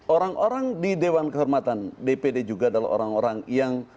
orang orang di dewan kehormatan dpd juga adalah orang orang yang